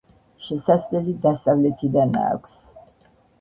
შესასვლელი დასავლეთიდანა აქვს.